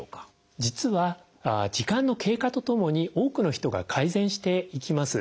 実は時間の経過とともに多くの人が改善していきます。